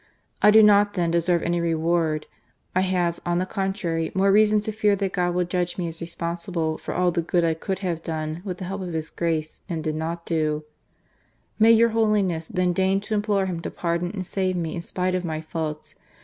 I do not, then, deserve any reward. I have, on the I About 52,000 francs, or £2,oZo sterling. THE STATESMAN BISHOP. 285 contrary, more reason to fear that God will judge me as responsible for all the good I could have done with the help of His grace and did not do. May your Holiness then deign to implore Him to pardon and save me in spite of my faults.